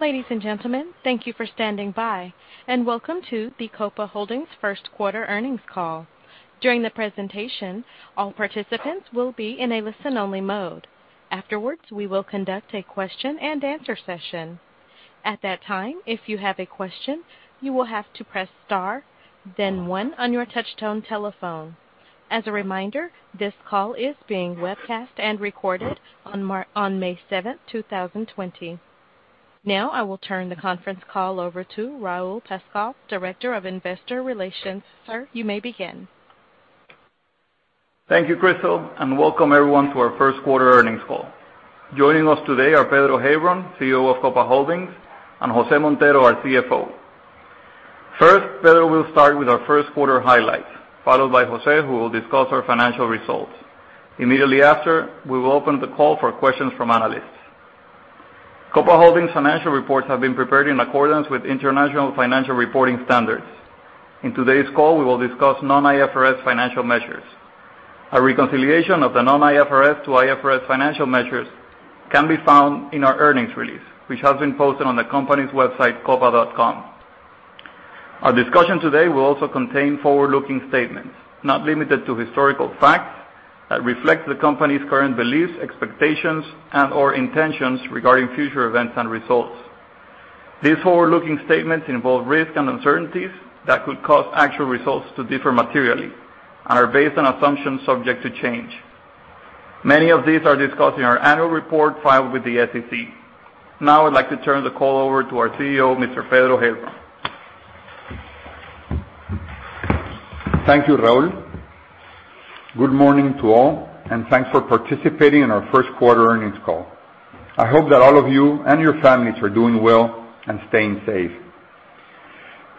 Ladies and gentlemen, thank you for standing by, and welcome to the Copa Holdings first quarter earnings call. During the presentation, all participants will be in a listen-only mode. Afterwards, we will conduct a Q&A session. At that time, if you have a question, you will have to press star then one on your touch-tone telephone. As a reminder, this call is being webcast and recorded on May 7th, 2020. Now, I will turn the conference call over to Raul Pascual, Director of Investor Relations. Sir, you may begin. Thank you, Crystal. Welcome everyone to our first quarter earnings call. Joining us today are Pedro Heilbron, CEO of Copa Holdings, and José Montero, our CFO. First, Pedro will start with our first quarter highlights, followed by José, who will discuss our financial results. Immediately after, we will open the call for questions from analysts. Copa Holdings financial reports have been prepared in accordance with International Financial Reporting Standards. In today's call, we will discuss non-IFRS financial measures. A reconciliation of the non-IFRS to IFRS financial measures can be found in our earnings release, which has been posted on the company's website, copa.com. Our discussion today will also contain forward-looking statements, not limited to historical facts that reflect the company's current beliefs, expectations, and/or intentions regarding future events and results. These forward-looking statements involve risks and uncertainties that could cause actual results to differ materially and are based on assumptions subject to change. Many of these are discussed in our annual report filed with the SEC. I'd like to turn the call over to our CEO, Mr. Pedro Heilbron. Thank you, Raul. Good morning to all, and thanks for participating in our first quarter earnings call. I hope that all of you and your families are doing well and staying safe.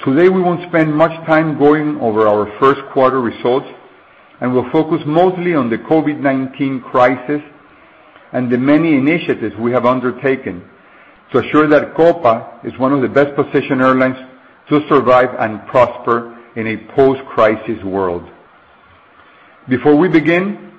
Today, we won't spend much time going over our first quarter results, and we'll focus mostly on the COVID-19 crisis and the many initiatives we have undertaken to assure that Copa is one of the best-positioned airlines to survive and prosper in a post-crisis world. Before we begin,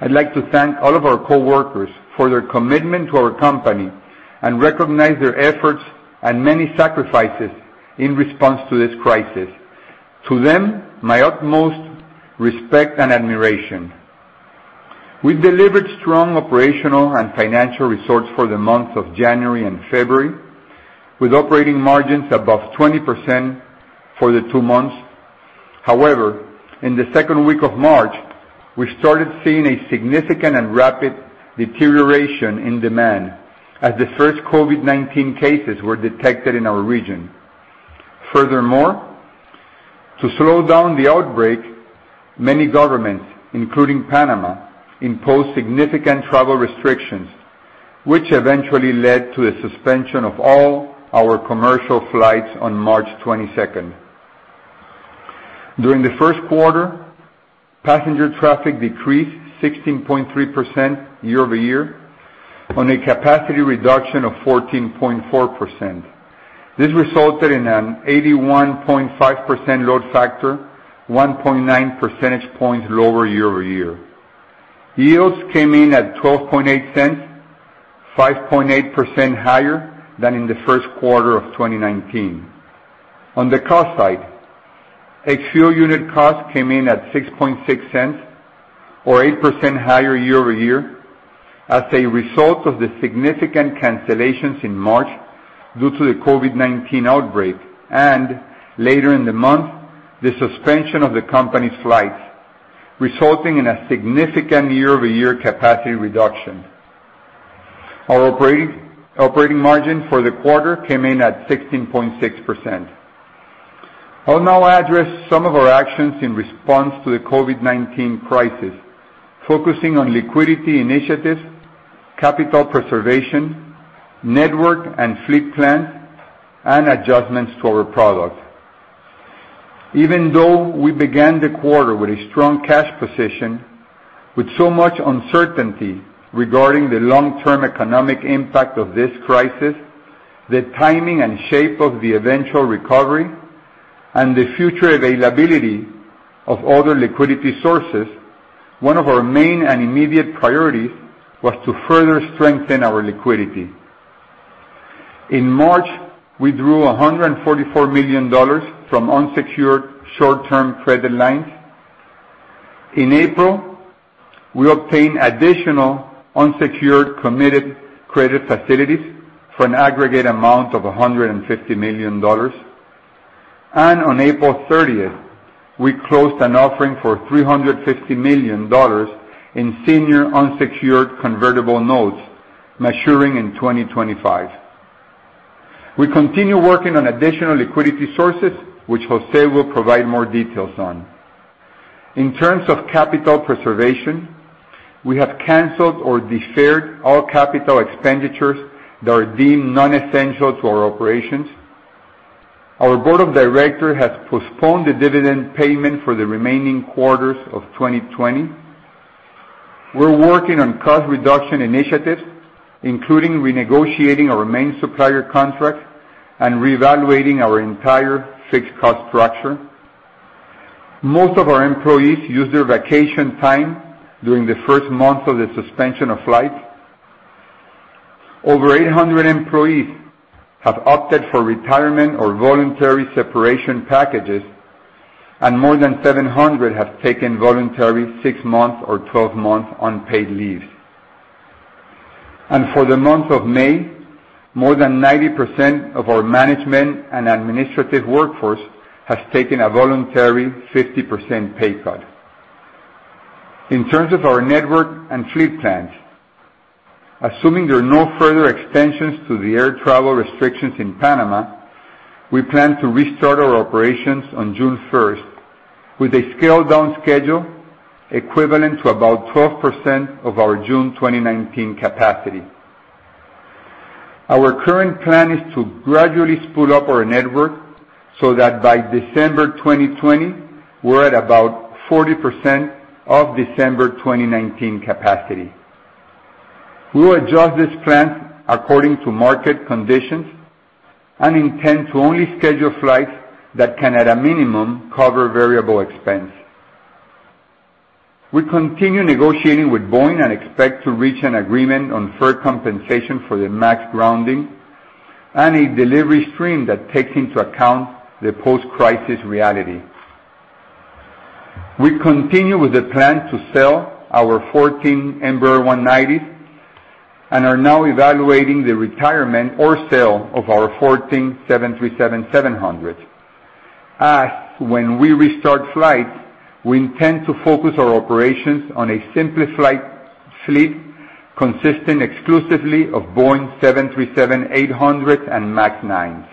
I'd like to thank all of our coworkers for their commitment to our company and recognize their efforts and many sacrifices in response to this crisis. To them, my utmost respect and admiration. We've delivered strong operational and financial results for the months of January and February, with operating margins above 20% for the two months. However, in the second week of March, we started seeing a significant and rapid deterioration in demand as the first COVID-19 cases were detected in our region. Furthermore, to slow down the outbreak, many governments, including Panama, imposed significant travel restrictions, which eventually led to a suspension of all our commercial flights on March 22nd. During the first quarter, passenger traffic decreased 16.3% year-over-year on a capacity reduction of 14.4%. This resulted in an 81.5% load factor, 1.9 percentage points lower year-over-year. Yields came in at $0.128, 5.8% higher than in the first quarter of 2019. On the cost side, a fuel unit cost came in at $0.066 or 8% higher year-over-year as a result of the significant cancellations in March due to the COVID-19 outbreak, and later in the month, the suspension of the company's flights, resulting in a significant year-over-year capacity reduction. Our operating margin for the quarter came in at 16.6%. I'll now address some of our actions in response to the COVID-19 crisis, focusing on liquidity initiatives, capital preservation, network and fleet plans, and adjustments to our product. Even though we began the quarter with a strong cash position, with so much uncertainty regarding the long-term economic impact of this crisis, the timing and shape of the eventual recovery, and the future availability of other liquidity sources, one of our main and immediate priorities was to further strengthen our liquidity. In March, we drew $144 million from unsecured short-term credit lines. In April, we obtained additional unsecured committed credit facilities for an aggregate amount of $150 million, On April 30th, we closed an offering for $350 million in senior unsecured convertible notes maturing in 2025. We continue working on additional liquidity sources, which José will provide more details on. In terms of capital preservation, we have canceled or deferred all capital expenditures that are deemed non-essential to our operations. Our board of directors has postponed the dividend payment for the remaining quarters of 2020. We're working on cost reduction initiatives, including renegotiating our main supplier contract and reevaluating our entire fixed cost structure. Most of our employees used their vacation time during the first month of the suspension of flights. Over 800 employees have opted for retirement or voluntary separation packages, and more than 700 have taken voluntary six-month or 12-month unpaid leaves. For the month of May, more than 90% of our management and administrative workforce has taken a voluntary 50% pay cut. In terms of our network and fleet plans, assuming there are no further extensions to the air travel restrictions in Panama, we plan to restart our operations on June 1st with a scaled-down schedule equivalent to about 12% of our June 2019 capacity. Our current plan is to gradually spool up our network so that by December 2020, we're at about 40% of December 2019 capacity. We will adjust these plans according to market conditions and intend to only schedule flights that can, at a minimum, cover variable expense. We continue negotiating with Boeing and expect to reach an agreement on fair compensation for the MAX grounding and a delivery stream that takes into account the post-crisis reality. We continue with the plan to sell our 14 Embraer 190s and are now evaluating the retirement or sale of our 14 Boeing 737-700s, as when we restart flights, we intend to focus our operations on a simplified fleet consisting exclusively of Boeing 737-800s and MAX 9s.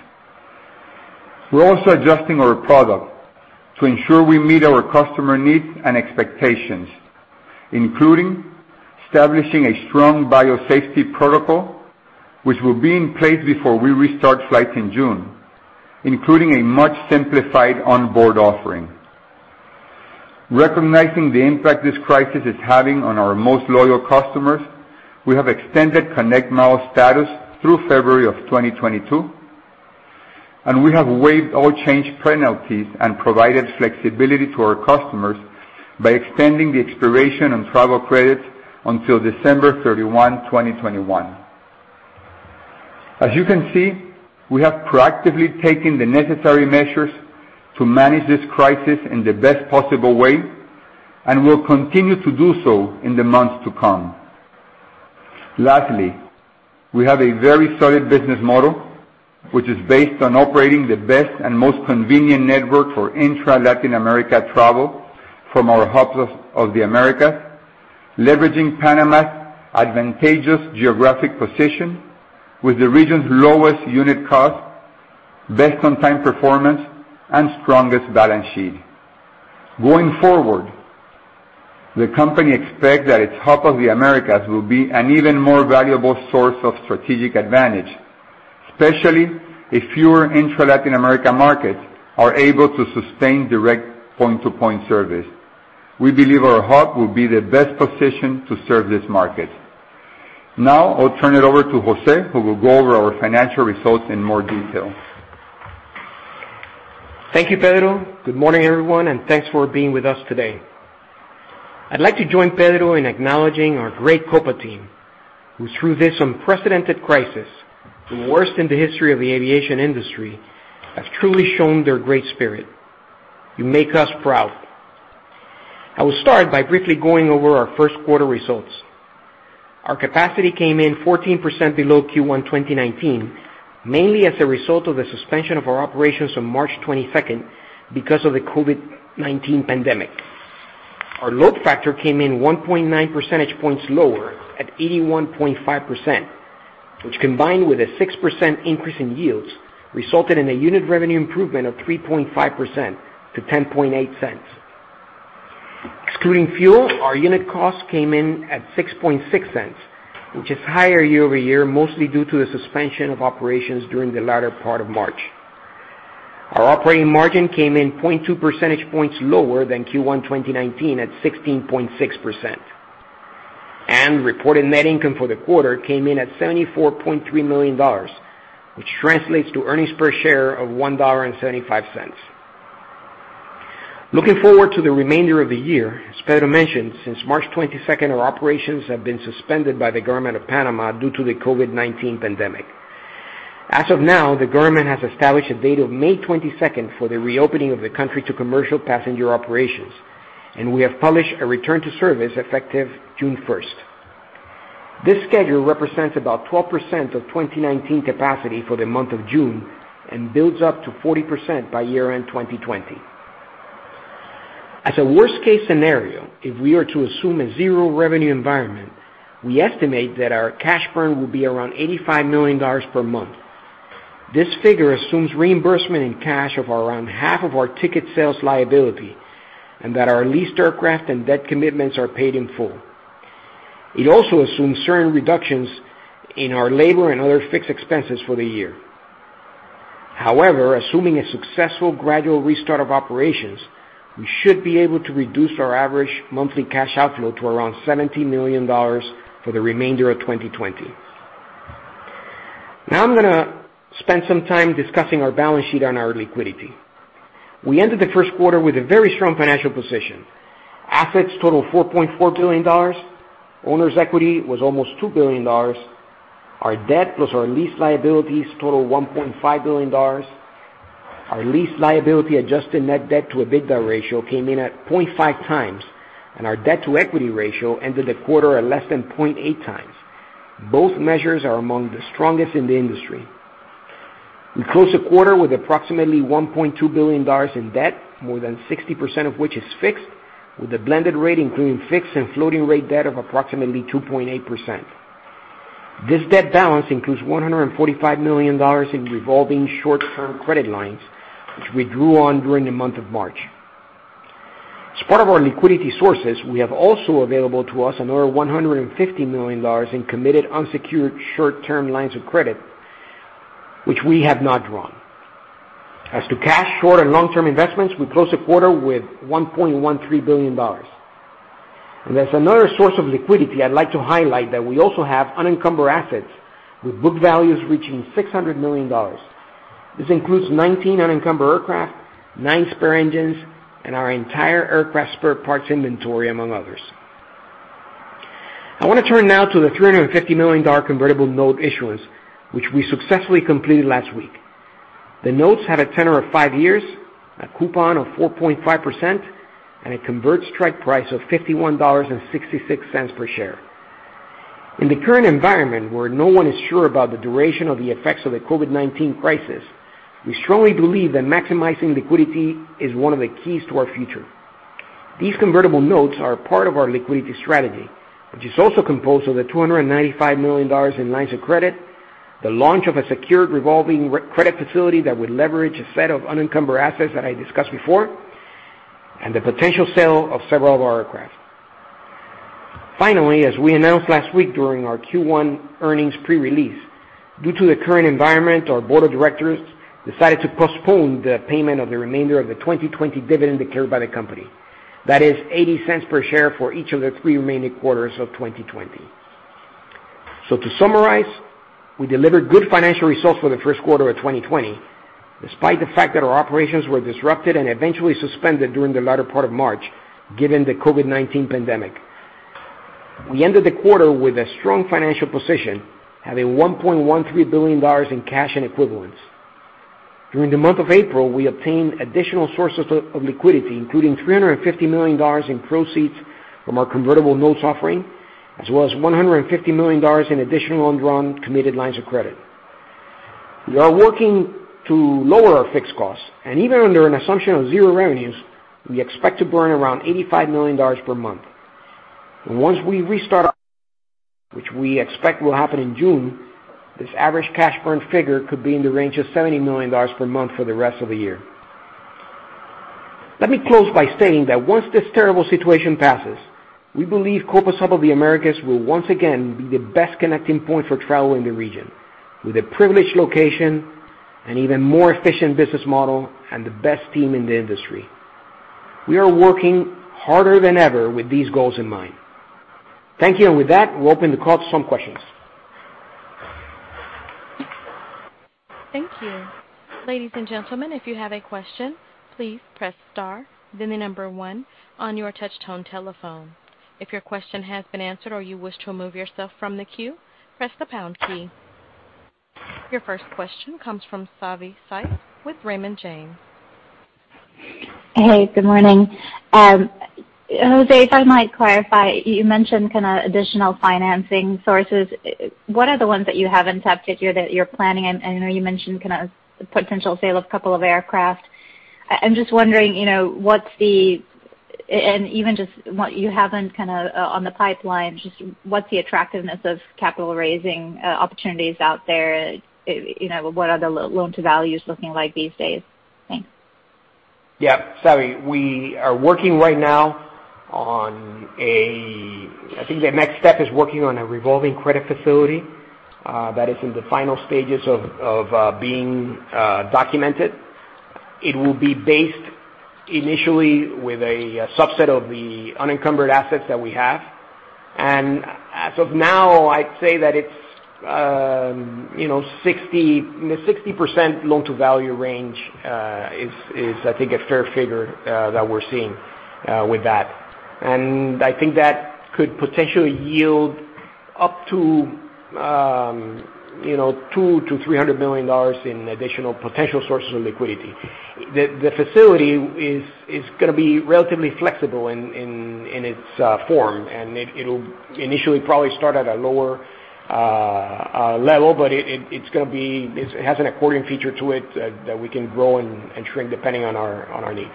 We're also adjusting our product to ensure we meet our customer needs and expectations, including establishing a strong biosafety protocol, which will be in place before we restart flights in June, including a much simplified onboard offering. Recognizing the impact this crisis is having on our most loyal customers, we have extended ConnectMiles status through February of 2022, and we have waived all change penalties and provided flexibility to our customers by extending the expiration on travel credits until December 31, 2021. As you can see, we have proactively taken the necessary measures to manage this crisis in the best possible way and will continue to do so in the months to come. Lastly, we have a very solid business model, which is based on operating the best and most convenient network for intra-Latin America travel from our Hub of the Americas, leveraging Panama's advantageous geographic position with the region's lowest unit cost, best on-time performance, and strongest balance sheet. Going forward, the company expects that its Hub of the Americas will be an even more valuable source of strategic advantage, especially if fewer intra-Latin America markets are able to sustain direct point-to-point service. We believe our hub will be the best position to serve these markets. I'll turn it over to José, who will go over our financial results in more detail. Thank you, Pedro. Good morning, everyone, and thanks for being with us today. I'd like to join Pedro in acknowledging our great Copa team, who through this unprecedented crisis, the worst in the history of the aviation industry, have truly shown their great spirit. You make us proud. I will start by briefly going over our first quarter results. Our capacity came in 14% below Q1 2019, mainly as a result of the suspension of our operations on March 22nd because of the COVID-19 pandemic. Our load factor came in 1.9 percentage points lower at 81.5%, which combined with a 6% increase in yields, resulted in a unit revenue improvement of 3.5% to $0.108. Excluding fuel, our unit cost came in at $0.066, which is higher year over year, mostly due to the suspension of operations during the latter part of March. Our operating margin came in 0.2 percentage points lower than Q1 2019 at 16.6%. Reported net income for the quarter came in at $74.3 million, which translates to earnings per share of $1.75. Looking forward to the remainder of the year, as Pedro mentioned, since March 22nd, our operations have been suspended by the government of Panama due to the COVID-19 pandemic. As of now, the government has established a date of May 22nd for the reopening of the country to commercial passenger operations, and we have published a return to service effective June 1st. This schedule represents about 12% of 2019 capacity for the month of June and builds up to 40% by year-end 2020. As a worst-case scenario, if we are to assume a zero-revenue environment, we estimate that our cash burn will be around $85 million per month. This figure assumes reimbursement in cash of around half of our ticket sales liability and that our leased aircraft and debt commitments are paid in full. It also assumes certain reductions in our labor and other fixed expenses for the year. Assuming a successful gradual restart of operations, we should be able to reduce our average monthly cash outflow to around $70 million for the remainder of 2020. I'm going to spend some time discussing our balance sheet and our liquidity. We ended Q1 with a very strong financial position. Assets total $4.4 billion. Owner's equity was almost $2 billion. Our debt plus our lease liabilities total $1.5 billion. Our lease liability adjusted net debt to EBITDA ratio came in at 0.5x. Our debt to equity ratio ended the quarter at less than 0.8x. Both measures are among the strongest in the industry. We closed the quarter with approximately $1.2 billion in debt, more than 60% of which is fixed, with a blended rate including fixed and floating rate debt of approximately 2.8%. This debt balance includes $145 million in revolving short-term credit lines, which we drew on during the month of March. As part of our liquidity sources, we have also available to us another $150 million in committed unsecured short-term lines of credit, which we have not drawn. As to cash, short and long-term investments, we closed the quarter with $1.13 billion. As another source of liquidity, I'd like to highlight that we also have unencumbered assets with book values reaching $600 million. This includes 19 unencumbered aircraft, nine spare engines, and our entire aircraft spare parts inventory, among others. I want to turn now to the $350 million convertible note issuance, which we successfully completed last week. The notes had a tenor of five years, a coupon of 4.5%, and a convert strike price of $51.66 per share. In the current environment, where no one is sure about the duration of the effects of the COVID-19 crisis, we strongly believe that maximizing liquidity is one of the keys to our future. These convertible notes are part of our liquidity strategy, which is also composed of the $295 million in lines of credit, the launch of a secured revolving credit facility that would leverage a set of unencumbered assets that I discussed before, and the potential sale of several of our aircraft. Finally, as we announced last week during our Q1 earnings pre-release, due to the current environment, our board of directors decided to postpone the payment of the remainder of the 2020 dividend declared by the company. That is $0.80 per share for each of the three remaining quarters of 2020. To summarize, we delivered good financial results for the first quarter of 2020, despite the fact that our operations were disrupted and eventually suspended during the latter part of March, given the COVID-19 pandemic. We ended the quarter with a strong financial position, having $1.13 billion in cash and equivalents. During the month of April, we obtained additional sources of liquidity, including $350 million in proceeds from our convertible notes offering, as well as $150 million in additional undrawn committed lines of credit. We are working to lower our fixed costs, and even under an assumption of zero revenues, we expect to burn around $85 million per month. Once we restart, which we expect will happen in June, this average cash burn figure could be in the range of $70 million per month for the rest of the year. Let me close by saying that once this terrible situation passes, we believe Hub of the Americas will once again be the best connecting point for travel in the region, with a privileged location, an even more efficient business model, and the best team in the industry. We are working harder than ever with these goals in mind. Thank you. With that, we'll open the call to some questions. Thank you. Ladies and gentlemen, if you have a question, please press star then the number 1 on your touch-tone telephone. If your question has been answered or you wish to remove yourself from the queue, press the pound key. Your first question comes from Savi Syth with Raymond James. Hey, good morning. José, if I might clarify, you mentioned additional financing sources. What are the ones that you have in tapped that you're planning? I know you mentioned potential sale of a couple of aircraft. I'm just wondering, and even just what you have on the pipeline, just what's the attractiveness of capital raising opportunities out there? What are the loan to values looking like these days? Thanks. Yeah. Savi, I think the next step is working on a revolving credit facility that is in the final stages of being documented. It will be based initially with a subset of the unencumbered assets that we have. As of now, I'd say that it's in the 60% loan-to-value range, is I think a fair figure that we're seeing with that. I think that could potentially yield up to $200 million-$300 million in additional potential sources of liquidity. The facility is going to be relatively flexible in its form, and it'll initially probably start at a lower level, but it has an accordion feature to it that we can grow and shrink depending on our needs.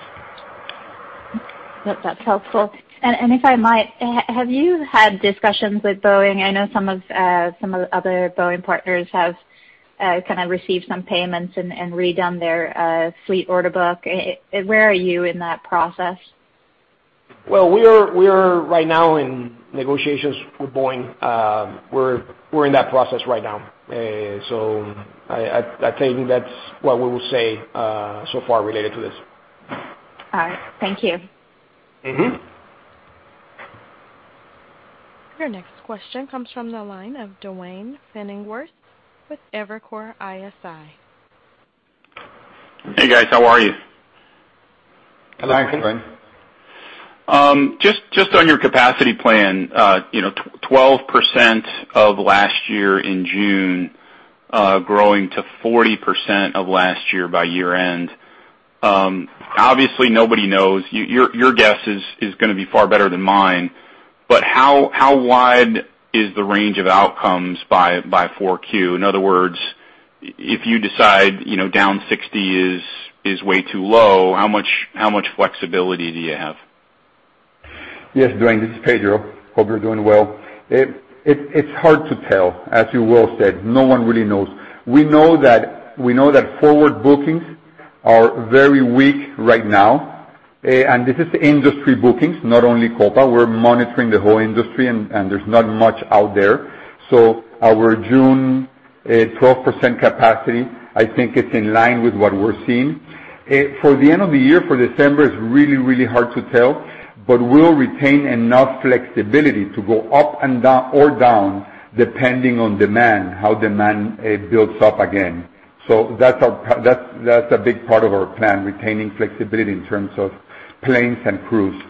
That's helpful. If I might, have you had discussions with Boeing? I know some of the other Boeing partners have received some payments and redone their fleet order book. Where are you in that process? Well, we are right now in negotiations with Boeing. We're in that process right now. I think that's what we will say so far related to this. All right. Thank you. Your next question comes from the line of Duane Pfennigwerth with Evercore ISI. Hey, guys. How are you? Hello, Duane. Just on your capacity plan, 12% of last year in June, growing to 40% of last year by year-end. Obviously, nobody knows. Your guess is going to be far better than mine, but how wide is the range of outcomes by 4Q? In other words, if you decide down 60% is way too low, how much flexibility do you have? Yes, Duane, this is Pedro. Hope you're doing well. It's hard to tell, as you well said. No one really knows. We know that forward bookings are very weak right now, and this is industry bookings, not only Copa. We're monitoring the whole industry, and there's not much out there. Our June 12% capacity, I think, is in line with what we're seeing. For the end of the year, for December, it's really, really hard to tell, but we'll retain enough flexibility to go up or down depending on demand, how demand builds up again. That's a big part of our plan, retaining flexibility in terms of planes and crews.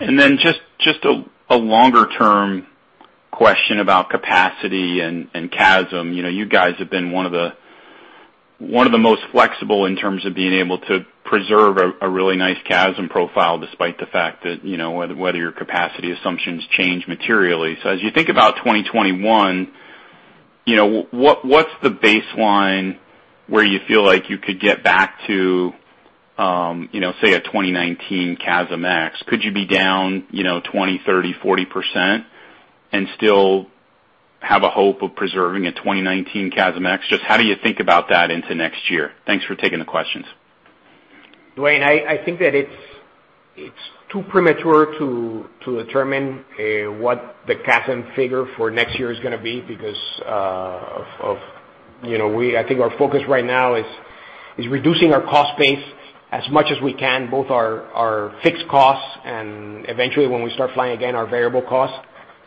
Then just a longer-term question about capacity and CASM. You guys have been one of the most flexible in terms of being able to preserve a really nice CASM profile, despite the fact that whether your capacity assumptions change materially. As you think about 2021, what's the baseline where you feel like you could get back to, say, a 2019 CASM ex? Could you be down 20%, 30%, 40% and still have a hope of preserving a 2019 CASM ex? Just how do you think about that into next year? Thanks for taking the questions. Duane, I think that it's too premature to determine what the CASM figure for next year is going to be because I think our focus right now is reducing our cost base as much as we can, both our fixed costs and eventually, when we start flying again, our variable costs.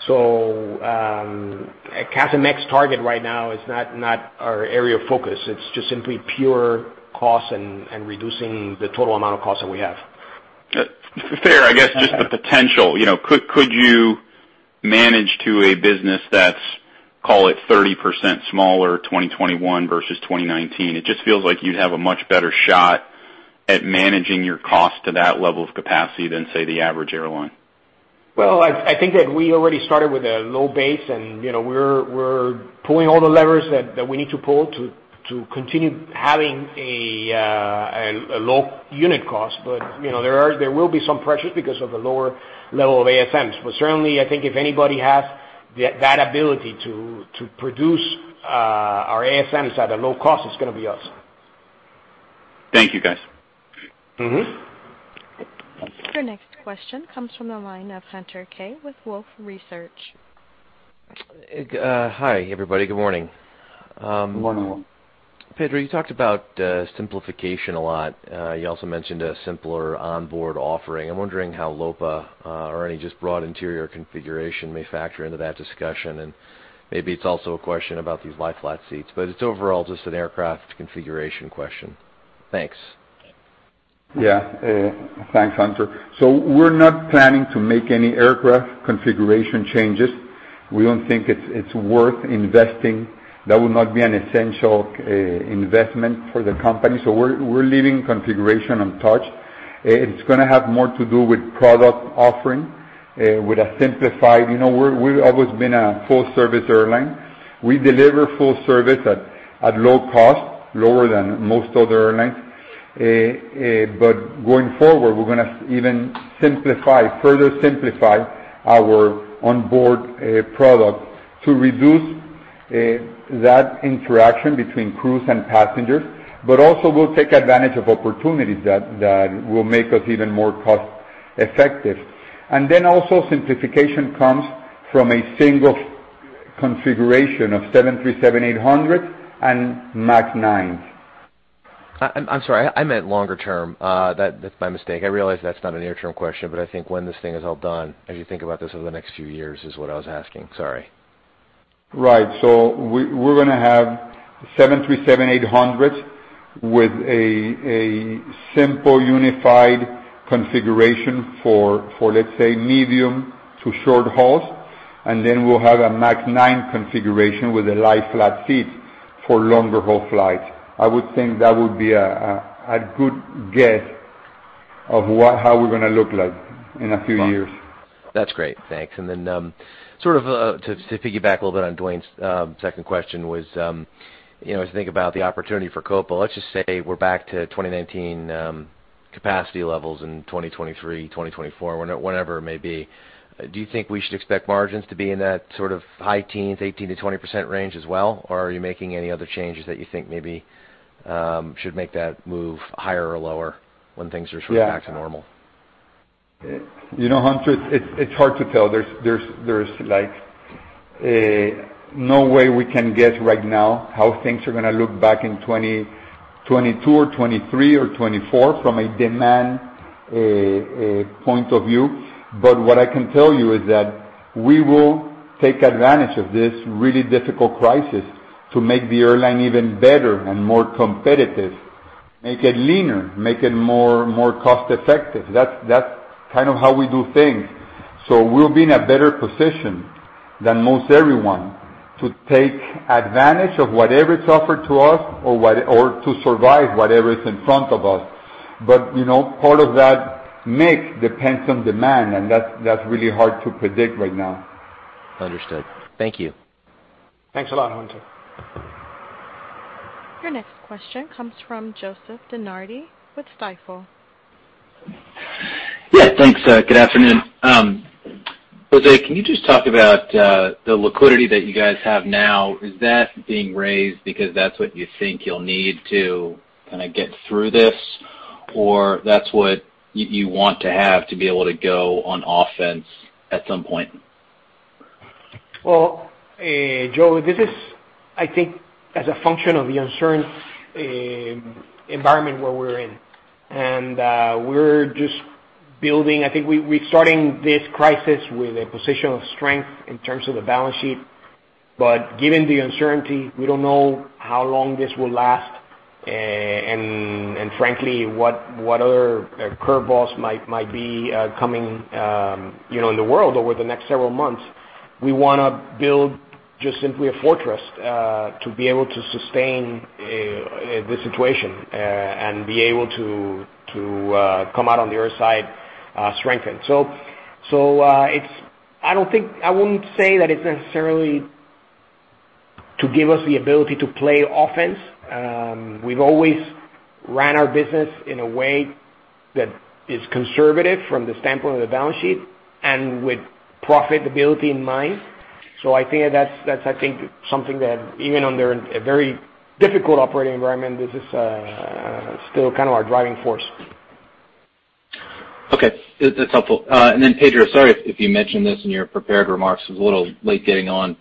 A CASM ex target right now is not our area of focus. It's just simply pure costs and reducing the total amount of costs that we have. Fair. I guess just the potential. Could you manage to a business that's, call it, 30% smaller 2021 versus 2019? It just feels like you'd have a much better shot at managing your cost to that level of capacity than, say, the average airline. Well, I think that we already started with a low base, and we're pulling all the levers that we need to pull to continue having a low unit cost. There will be some pressures because of the lower level of ASMs. Certainly, I think if anybody has that ability to produce our ASMs at a low cost, it's going to be us. Thank you, guys. Your next question comes from the line of Hunter Keay. with Wolfe Research. Hi, everybody. Good morning. Good morning. Pedro, you talked about simplification a lot. You also mentioned a simpler onboard offering. I'm wondering how LOPA or any just broad interior configuration may factor into that discussion. Maybe it's also a question about these lie-flat seats, but it's overall just an aircraft configuration question. Thanks. Yeah. Thanks, Hunter. We're not planning to make any aircraft configuration changes. We don't think it's worth investing. That would not be an essential investment for the company. We're leaving configuration untouched. It's going to have more to do with product offering. We've always been a full-service airline. We deliver full service at low cost, lower than most other airlines. Going forward, we're going to even further simplify our onboard product to reduce that interaction between crews and passengers. Also, we'll take advantage of opportunities that will make us even more cost-effective. Also, simplification comes from a single configuration of Boeing 737-800 and MAX 9s. I'm sorry. I meant longer term. That's my mistake. I realize that's not a near-term question, but I think when this thing is all done, as you think about this over the next few years, is what I was asking. Sorry. Right. We're going to have Boeing 737-800s with a simple unified configuration for, let's say, medium to short hauls. We'll have a MAX 9 configuration with the lie-flat seats for longer haul flights. I would think that would be a good guess of how we're going to look like in a few years. That's great. Thanks. To piggyback a little bit on Duane's second question was, as you think about the opportunity for Copa, let's just say we're back to 2019 capacity levels in 2023, 2024, whenever it may be. Do you think we should expect margins to be in that sort of high teens, 18%-20% range as well? Are you making any other changes that you think maybe should make that move higher or lower when things are sort of back to normal? Hunter, it's hard to tell. There's like no way we can guess right now how things are going to look back in 2022 or 2023 or 2024 from a demand point of view. What I can tell you is that we will take advantage of this really difficult crisis to make the airline even better and more competitive, make it leaner, make it more cost-effective. That's kind of how we do things. We'll be in a better position than most everyone to take advantage of whatever is offered to us or to survive whatever is in front of us. Part of that mix depends on demand, and that's really hard to predict right now. Understood. Thank you. Thanks a lot, Hunter. Your next question comes from Joseph DeNardi with Stifel. Yeah, thanks. Good afternoon. José, can you just talk about the liquidity that you guys have now? Is that being raised because that's what you think you'll need to kind of get through this, or that's what you want to have to be able to go on offense at some point? Well, Joe, this is, I think, as a function of the uncertain environment where we're in, and we're just building. I think we're starting this crisis with a position of strength in terms of the balance sheet. Given the uncertainty, we don't know how long this will last, and frankly, what other curveballs might be coming in the world over the next several months. We want to build just simply a fortress to be able to sustain the situation, and be able to come out on the other side strengthened. I wouldn't say that it's necessarily to give us the ability to play offense. We've always ran our business in a way that is conservative from the standpoint of the balance sheet and with profitability in mind. I think that's something that even under a very difficult operating environment, this is still kind of our driving force. Okay. That's helpful. Pedro, sorry if you mentioned this in your prepared remarks. I was a little late getting on.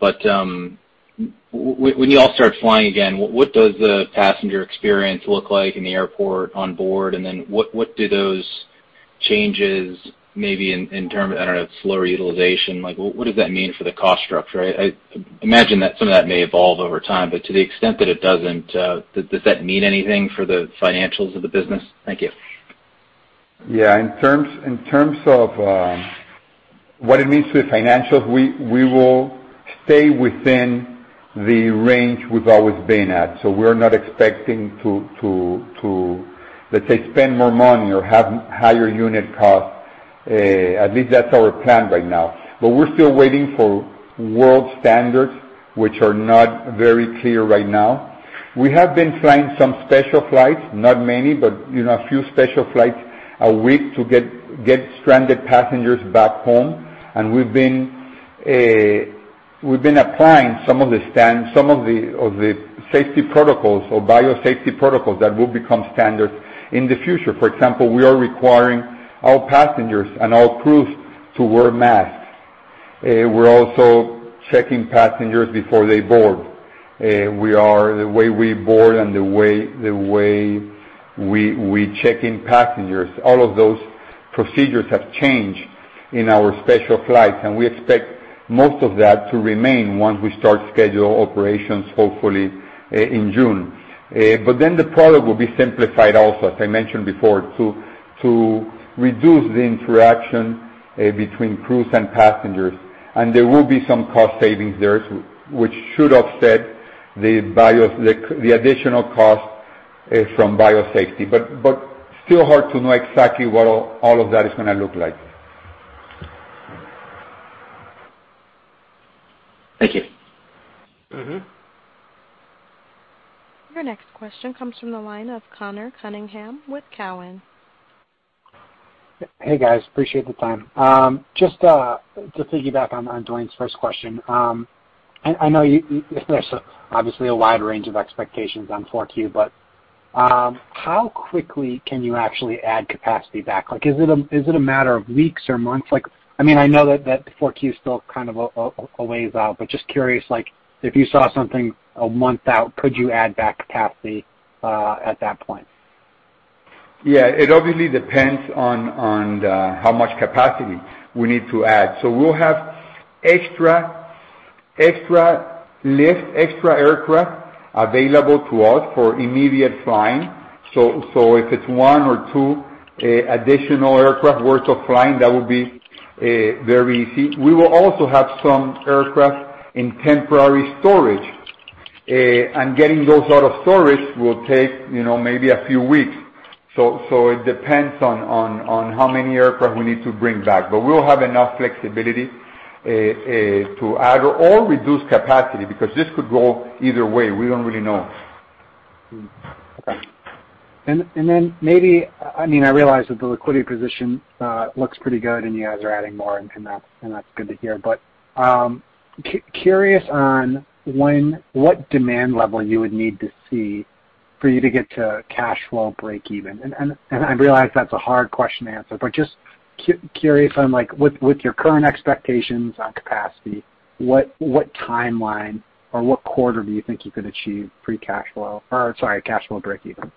When you all start flying again, what does the passenger experience look like in the airport, on board, what do those changes maybe in terms of, I don't know, slower utilization, what does that mean for the cost structure? I imagine that some of that may evolve over time, to the extent that it doesn't, does that mean anything for the financials of the business? Thank you. In terms of what it means to the financials, we will stay within the range we've always been at. We're not expecting to, let's say, spend more money or have higher unit costs. At least that's our plan right now. We're still waiting for world standards, which are not very clear right now. We have been flying some special flights, not many, but a few special flights a week to get stranded passengers back home. We've been applying some of the safety protocols or biosafety protocols that will become standard in the future. For example, we are requiring all passengers and all crews to wear masks. We're also checking passengers before they board. The way we board and the way we check in passengers, all of those procedures have changed in our special flights, and we expect most of that to remain once we start scheduled operations, hopefully, in June. The product will be simplified also, as I mentioned before, to reduce the interaction between crews and passengers. There will be some cost savings there, which should offset the additional cost from biosafety. Still hard to know exactly what all of that is going to look like. Thank you. Your next question comes from the line of Conor Cunningham with Cowen. Hey, guys. Appreciate the time. Just to piggyback on Duane's first question. I know there's obviously a wide range of expectations on 4Q. How quickly can you actually add capacity back? Is it a matter of weeks or months? I know that 4Q is still kind of a ways out. Just curious, if you saw something a month out, could you add back capacity at that point? Yeah, it obviously depends on how much capacity we need to add. We'll have extra lift, extra aircraft available to us for immediate flying. If it's one or two additional aircraft worth of flying, that would be very easy. We will also have some aircraft in temporary storage, and getting those out of storage will take maybe a few weeks. It depends on how many aircraft we need to bring back. We'll have enough flexibility to add or reduce capacity because this could go either way. We don't really know. Maybe, I realize that the liquidity position looks pretty good, and you guys are adding more, and that's good to hear, but curious on what demand level you would need to see for you to get to cash flow breakeven. I realize that's a hard question to answer, but just curious on, with your current expectations on capacity, what timeline or what quarter do you think you could achieve free cash flow or, sorry, cash flow breakeven?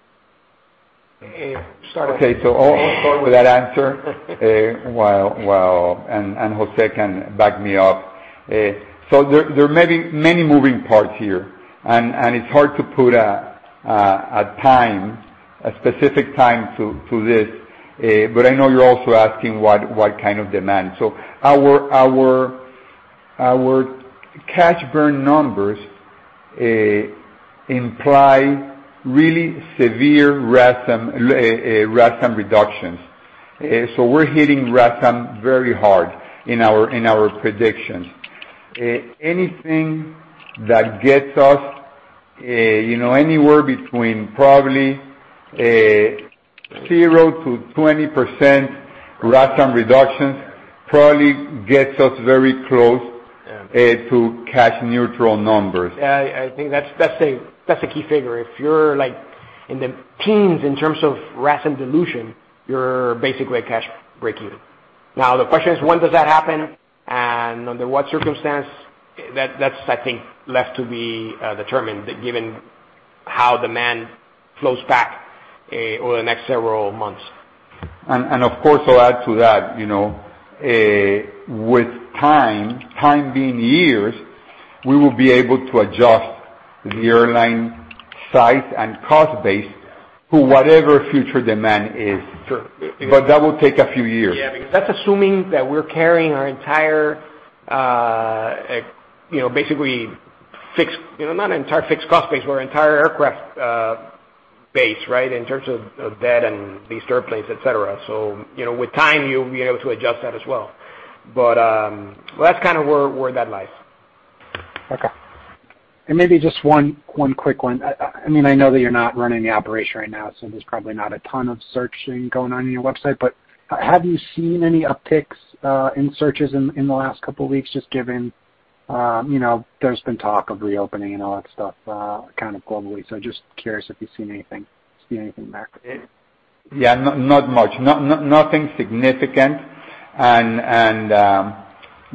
Start off. Okay. I'll start with that answer, and José can back me up. There are many moving parts here, and it's hard to put a specific time to this. I know you're also asking what kind of demand. Our cash burn numbers imply really severe RASM reductions. We're hitting RASM very hard in our predictions. Anything that gets us anywhere between probably 0%-20% RASM reductions probably gets us very close. Yeah. To cash neutral numbers. Yeah, I think that's a key figure. If you're in the teens in terms of RASM dilution, you're basically at cash breakeven. The question is, when does that happen, and under what circumstance? That's, I think, left to be determined given how demand flows back over the next several months. Of course, I'll add to that. With time being years, we will be able to adjust the airline size and cost base to whatever future demand is. Sure. That will take a few years. Because that's assuming that we're carrying our entire, basically fixed Not entire fixed cost base, but our entire aircraft base. In terms of debt and leased airplanes, et cetera. With time, you'll be able to adjust that as well. That's kind of where that lies. Okay. Maybe just one quick one. I know that you're not running the operation right now, so there's probably not a ton of searching going on your website. Have you seen any upticks in searches in the last couple of weeks, just given there's been talk of reopening and all that stuff kind of globally. Just curious if you've seen anything there. Yeah. Not much. Nothing significant.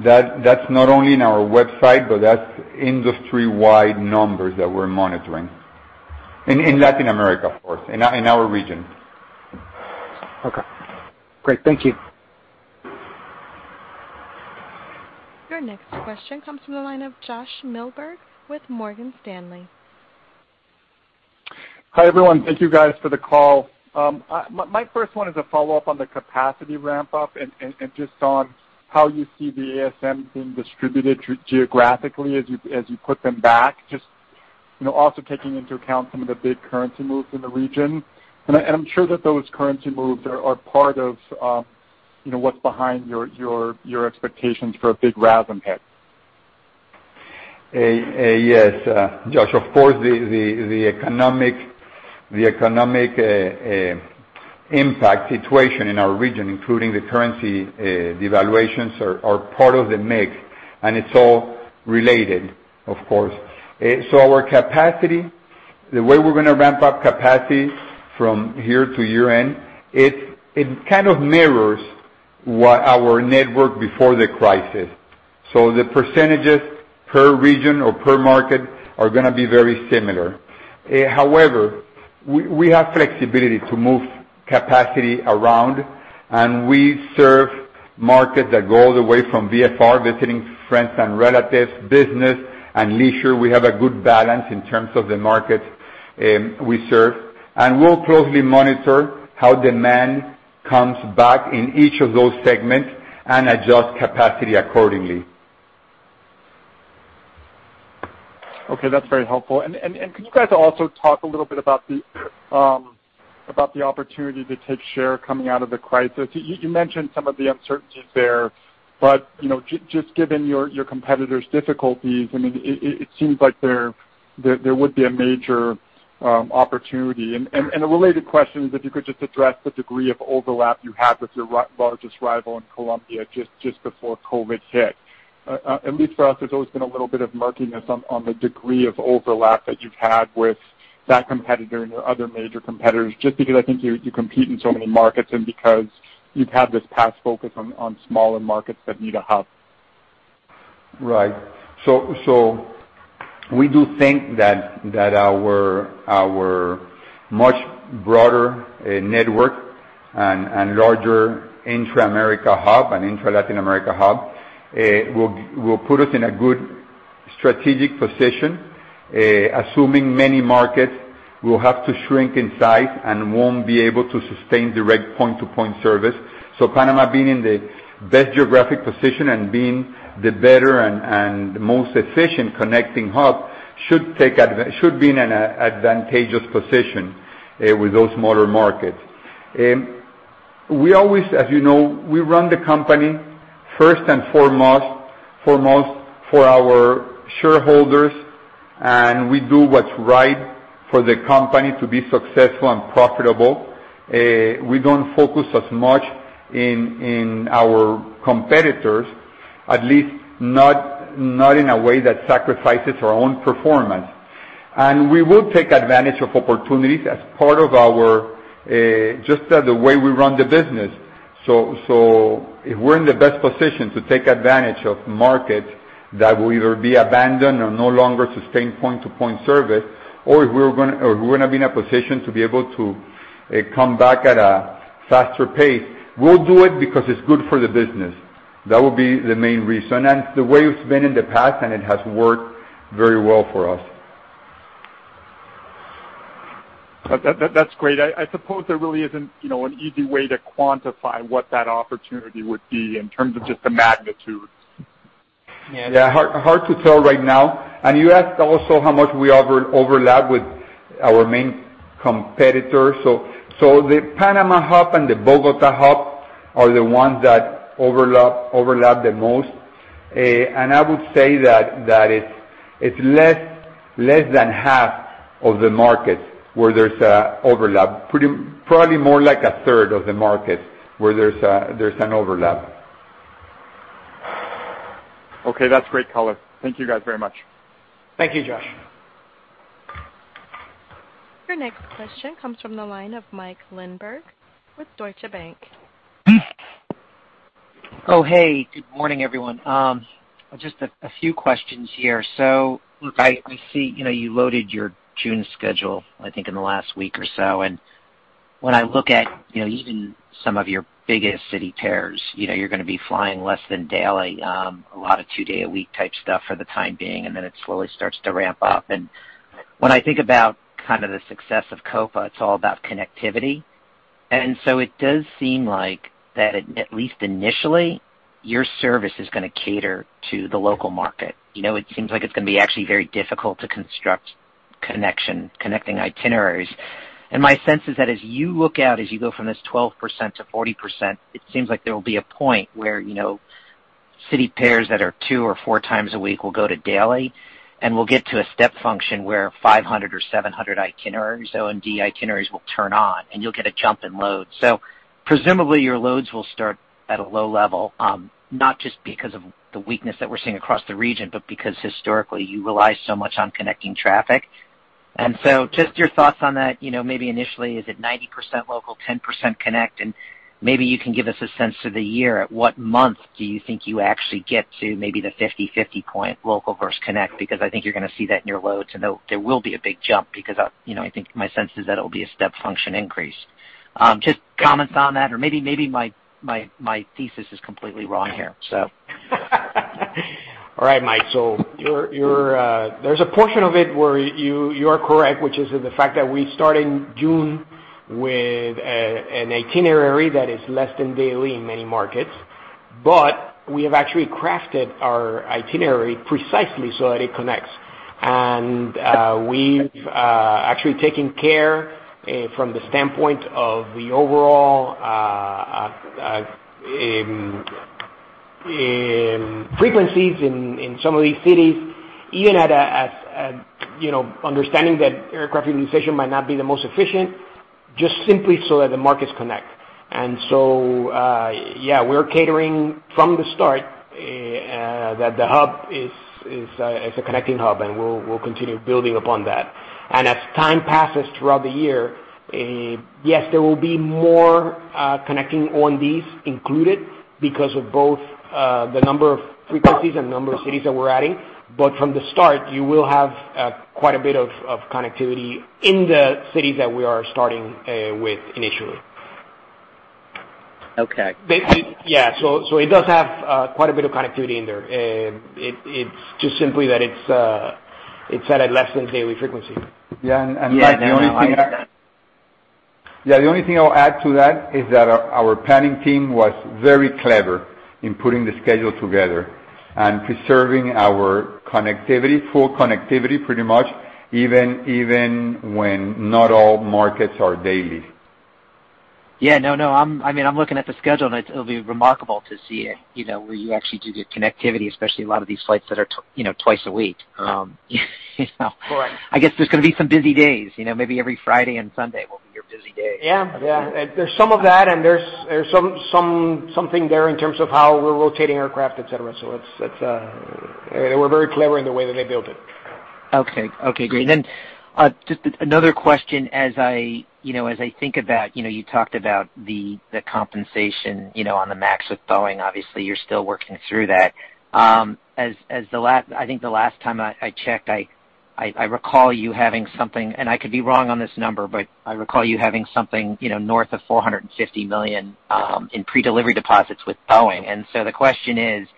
That's not only in our website, but that's industry-wide numbers that we're monitoring. In Latin America, of course, in our region. Okay. Great. Thank you. Your next question comes from the line of Josh Milberg with Morgan Stanley. Hi, everyone. Thank you guys for the call. My first one is a follow-up on the capacity ramp-up, and just on how you see the ASM being distributed geographically as you put them back. Just also taking into account some of the big currency moves in the region. I'm sure that those currency moves are part of what's behind your expectations for a big RASM hit. Yes, Josh. Of course, the economic impact situation in our region, including the currency devaluations, are part of the mix, and it's all related, of course. Our capacity, the way we're going to ramp up capacity from here to year-end, it kind of mirrors what our network before the crisis. The percentages per region or per market are going to be very similar. However, we have flexibility to move capacity around, and we serve markets that go all the way from VFR, visiting friends and relatives, business, and leisure. We have a good balance in terms of the markets we serve. We'll closely monitor how demand comes back in each of those segments and adjust capacity accordingly. Okay. That's very helpful. Can you guys also talk a little bit about the opportunity to take share coming out of the crisis? You mentioned some of the uncertainties there, but just given your competitors' difficulties, it seems like there would be a major opportunity. A related question is if you could just address the degree of overlap you had with your largest rival in Colombia just before COVID hit. At least for us, there's always been a little bit of murkiness on the degree of overlap that you've had with that competitor and your other major competitors, just because I think you compete in so many markets and because you've had this past focus on smaller markets that need a hub. Right. We do think that our much broader network and larger intra-America hub and intra-Latin America hub will put us in a good strategic position, assuming many markets will have to shrink in size and won't be able to sustain direct point-to-point service. Panama being in the best geographic position and being the better and most efficient connecting hub should be in an advantageous position with those smaller markets. We always, as you know, we run the company first and foremost for our shareholders, and we do what's right for the company to be successful and profitable. We don't focus as much on our competitors. At least not in a way that sacrifices our own performance. We will take advantage of opportunities as part of just the way we run the business. If we're in the best position to take advantage of markets that will either be abandoned or no longer sustain point-to-point service, or if we're going to be in a position to be able to come back at a faster pace, we'll do it because it's good for the business. That would be the main reason. That's the way it's been in the past, and it has worked very well for us. That's great. I suppose there really isn't an easy way to quantify what that opportunity would be in terms of just the magnitude. Yeah. Hard to tell right now. You asked also how much we overlap with our main competitors. The Panama hub and the Bogota hub are the ones that overlap the most. I would say that it's less than half of the markets where there's an overlap. Probably more like a 1/3 of the markets where there's an overlap. Okay. That's great, color. Thank you guys very much. Thank you, Josh. Your next question comes from the line of Mike Linenberg with Deutsche Bank. Oh, hey, good morning, everyone. Just a few questions here. Look, I see you loaded your June schedule, I think, in the last week or so. When I look at even some of your biggest city pairs, you're going to be flying less than daily, a lot of two-day-a-week type stuff for the time being, and then it slowly starts to ramp up. When I think about the success of Copa, it's all about connectivity. It does seem like that at least initially, your service is going to cater to the local market. It seems like it's going to be actually very difficult to construct connecting itineraries. My sense is that as you look out, as you go from this 12%-40%, it seems like there will be a point where city pairs that are two or four times a week will go to daily, and we'll get to a step function where 500 or 700 O&D itineraries will turn on, and you'll get a jump in load. Presumably, your loads will start at a low level, not just because of the weakness that we're seeing across the region, but because historically you rely so much on connecting traffic. Just your thoughts on that. Maybe initially, is it 90% local, 10% connect? Maybe you can give us a sense of the year. At what month do you think you actually get to maybe the 50/50 point local versus connect? I think you're going to see that in your loads. I know there will be a big jump because I think my sense is that it'll be a step function increase. Just comments on that, or maybe my thesis is completely wrong here? All right, Mike. There's a portion of it where you are correct, which is the fact that we start in June with an itinerary that is less than daily in many markets. We have actually crafted our itinerary precisely so that it connects. We've actually taken care from the standpoint of the overall frequencies in some of these cities, even understanding that aircraft utilization might not be the most efficient, just simply so that the markets connect. Yeah, we're catering from the start that the hub is a connecting hub, and we'll continue building upon that. As time passes throughout the year, yes, there will be more connecting O&Ds included because of both the number of frequencies and number of cities that we're adding. From the start, you will have quite a bit of connectivity in the cities that we are starting with initially. Okay. Yeah. It does have quite a bit of connectivity in there. It's just simply that it's at a less than daily frequency. Yeah. The only thing I'll add to that is that our planning team was very clever in putting the schedule together and preserving our full connectivity pretty much, even when not all markets are daily. Yeah. No, I'm looking at the schedule, and it'll be remarkable to see where you actually do get connectivity, especially a lot of these flights that are twice a week. Correct. I guess there's going to be some busy days. Maybe every Friday and Sunday will be your busy day. Yeah. There's some of that, and there's something there in terms of how we're rotating aircraft, et cetera. They were very clever in the way that they built it. Okay. Great. Just another question as I think about you talked about the compensation on the MAX with Boeing. Obviously, you're still working through that. I think the last time I checked, I recall you having something, and I could be wrong on this number, but I recall you having something north of $450 million in pre-delivery deposits with Boeing. The question is,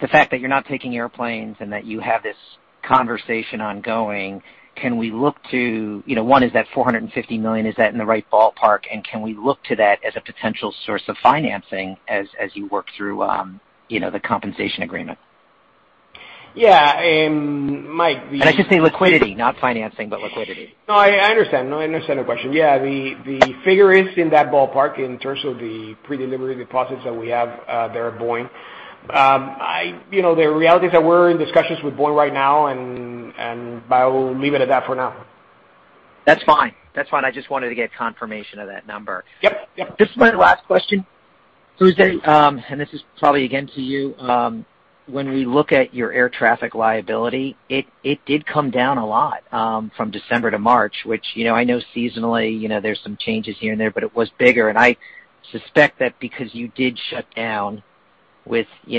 the fact that you're not taking airplanes and that you have this conversation ongoing, one, is that $450 million, is that in the right ballpark, and can we look to that as a potential source of financing as you work through the compensation agreement? Yeah. Mike. I should say liquidity. Not financing, but liquidity. No, I understand. No, I understand the question. Yeah. The figure is in that ballpark in terms of the pre-delivery deposits that we have there at Boeing. The reality is that we're in discussions with Boeing right now. I will leave it at that for now. That's fine. I just wanted to get confirmation of that number. Yep. Just my last question. José, and this is probably again to you, when we look at your air traffic liability, it did come down a lot from December to March, which I know seasonally, there's some changes here and there, but it was bigger, and I suspect that because you did shut down with, I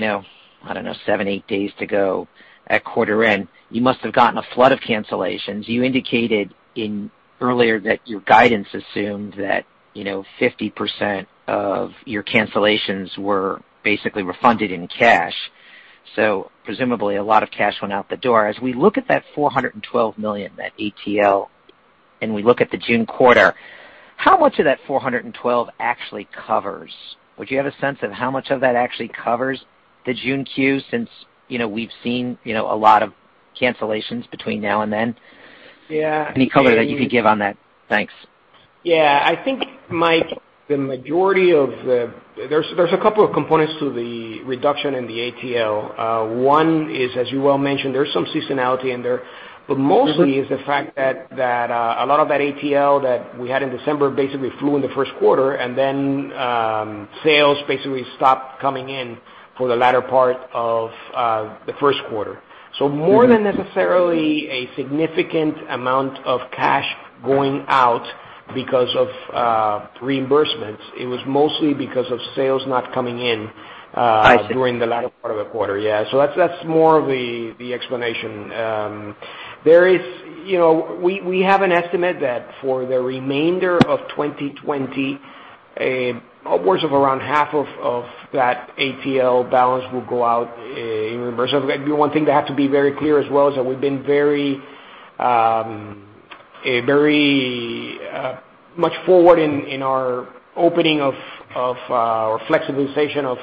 don't know, seven, eight days to go at quarter end. You must have gotten a flood of cancellations. You indicated earlier that your guidance assumed that 50% of your cancellations were basically refunded in cash. Presumably, a lot of cash went out the door. As we look at that $412 million, that ATL, and we look at the June quarter, how much of that $412 actually covers? Would you have a sense of how much of that actually covers the June Q since we've seen a lot of cancellations between now and then? Yeah. Any color that you could give on that? Thanks. Yeah. I think, Mike, there's a couple of components to the reduction in the ATL. One is, as you well mentioned, there's some seasonality in there, but mostly is the fact that a lot of that ATL that we had in December basically flew in the first quarter, sales basically stopped coming in for the latter part of the first quarter. More than necessarily a significant amount of cash going out because of reimbursements, it was mostly because of sales not coming in. I see. During the latter part of the quarter. Yeah. That's more of the explanation. We have an estimate that for the remainder of 2020, upwards of around half of that ATL balance will go out in reimbursement. The one thing that I have to be very clear as well is that we've been very much forward in our opening of our flexibilization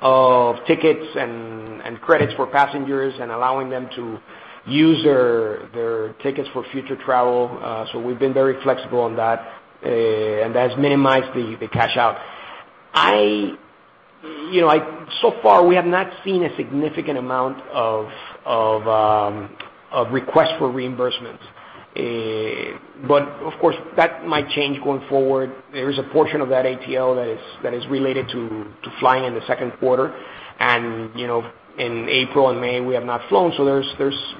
of tickets and credits for passengers and allowing them to use their tickets for future travel. We've been very flexible on that, and that's minimized the cash out. So far, we have not seen a significant amount of requests for reimbursements. Of course, that might change going forward. There is a portion of that ASMs that is related to flying in the second quarter, and in April and May we have not flown, so there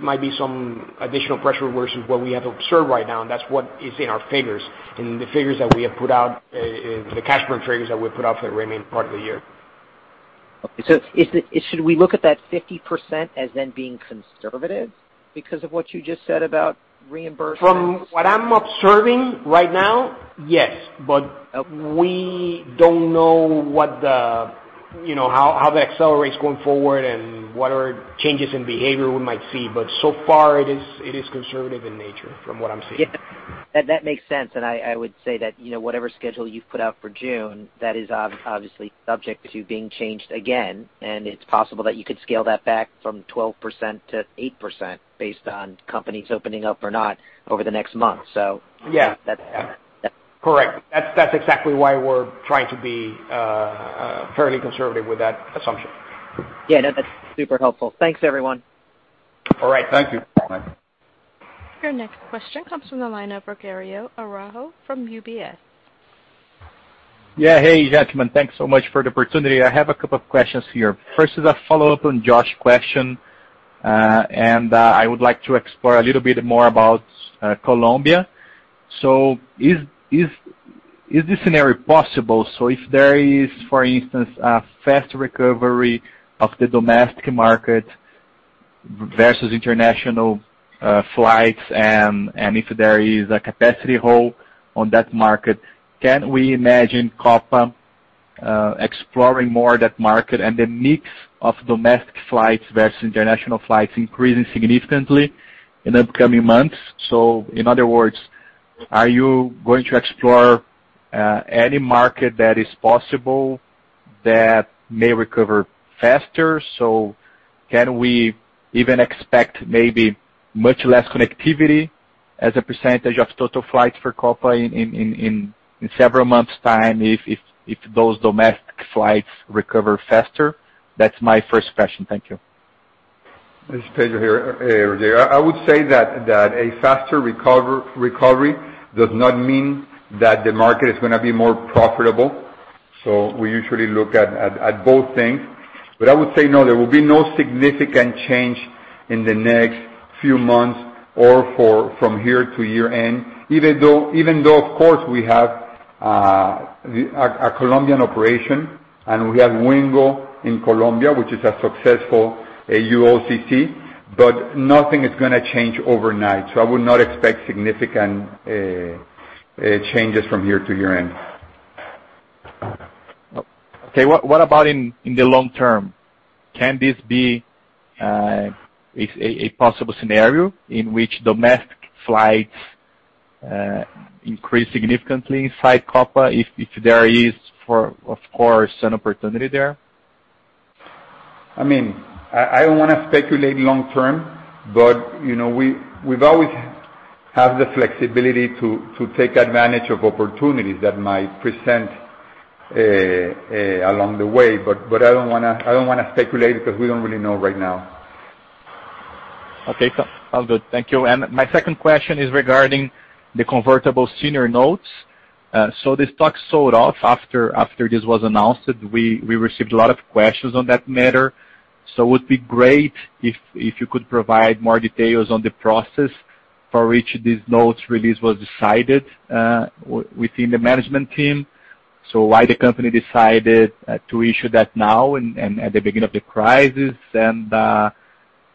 might be some additional pressure versus what we have observed right now, and that's what is in our figures, in the figures that we have put out, the cash burn figures that we put out for the remaining part of the year. Should we look at that 50% as then being conservative because of what you just said about reimbursement? From what I'm observing right now, yes. We don't know how that accelerates going forward and what are changes in behavior we might see. So far it is conservative in nature from what I'm seeing. Yeah. That makes sense. I would say that whatever schedule you've put out for June, that is obviously subject to being changed again, and it's possible that you could scale that back from 12%-8% based on companies opening up or not over the next month or so. Yeah. Correct. That's exactly why we're trying to be fairly conservative with that assumption. Yeah, that's super helpful. Thanks, everyone. All right. Thank you. Your next question comes from the line of Rogério Araújo from UBS. Yeah. Hey, gentlemen. Thanks so much for the opportunity. I have a couple of questions here. First is a follow-up on Josh's question. I would like to explore a little bit more about Colombia. Is this scenario possible? If there is, for instance, a fast recovery of the domestic market versus international flights, if there is a capacity hole on that market, can we imagine Copa exploring more of that market and the mix of domestic flights versus international flights increasing significantly in the coming months? In other words, are you going to explore any market that is possible that may recover faster? Can we even expect maybe much less connectivity as a percentage of total flights for Copa in several months' time if those domestic flights recover faster? That's my first question. Thank you. This is Pedro here, Rogério. I would say that a faster recovery does not mean that the market is going to be more profitable. We usually look at both things. I would say no, there will be no significant change in the next few months or from here to year-end, even though, of course, we have a Colombian operation, and we have Wingo in Colombia, which is a successful ULCC, but nothing is going to change overnight. I would not expect significant changes from here to year-end. Okay. What about in the long term? Can this be a possible scenario in which domestic flights increase significantly inside Copa if there is, of course, an opportunity there? I don't want to speculate long term, but we've always had the flexibility to take advantage of opportunities that might present. Along the way. I don't want to speculate because we don't really know right now. Okay. Sounds good. Thank you. My second question is regarding the convertible senior notes. The stock sold off after this was announced. We received a lot of questions on that matter. It would be great if you could provide more details on the process for which these notes release was decided within the management team. Why the company decided to issue that now and at the beginning of the crisis,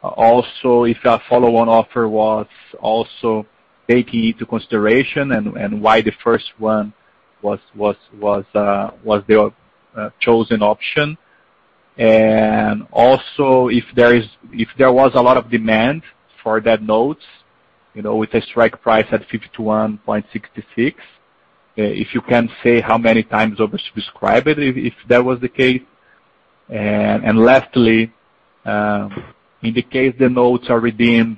also if a follow-on offer was also taken into consideration, and why the first one was the chosen option. Also, if there was a lot of demand for that note, with a strike price at $51.66. If you can say how many times oversubscribed it, if that was the case. Lastly, in the case the notes are redeemed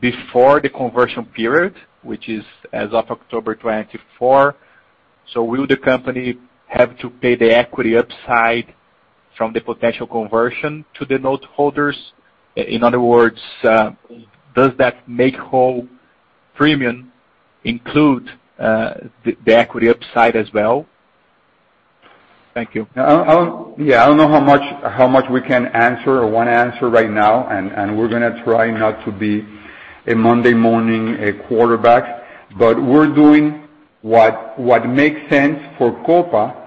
before the conversion period, which is as of October 24, will the company have to pay the equity upside from the potential conversion to the note holders? In other words, does that make whole premium include the equity upside as well? Thank you. Yeah. I don't know how much we can answer or want to answer right now. We're going to try not to be a Monday morning quarterback. We're doing what makes sense for Copa